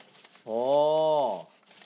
ああ。